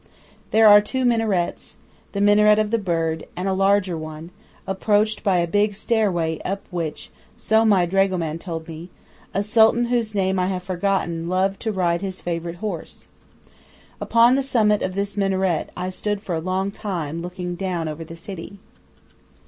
There are two minarets, the minaret of the bird, and a larger one, approached by a big stairway up which, so my dragoman told me, a Sultan whose name I have forgotten loved to ride his favorite horse. Upon the summit of this minaret I stood for a long time, looking down over the city.